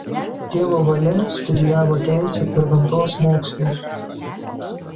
Tėvo valia studijavo teisę ir gamtos mokslus.